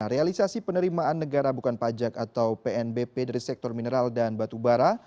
realisasi penerimaan negara bukan pajak atau pnbp dari sektor mineral dan batu bara